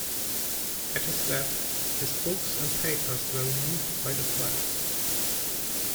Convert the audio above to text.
At his death, his books and papers were removed by the friars.